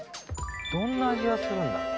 どんな味がするんだろう？